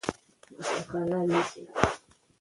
ماشوم باید د ټولګي په چارو کې برخه واخلي.